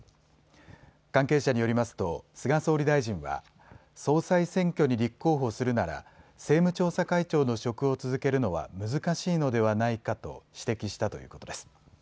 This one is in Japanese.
関係者によりますと菅総理大臣は総裁選挙に立候補するなら政務調査会長の職を続けるのは難しいのではないかと指摘したということです。